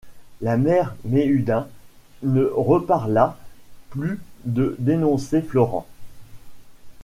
La mère Méhudin ne reparla plus de dénoncer Florent.